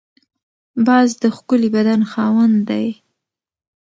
باز د ښکلي بدن خاوند دی